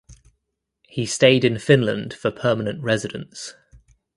He stayed in Finland for permanent residence.